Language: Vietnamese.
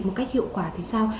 một cách hiệu quả thì sao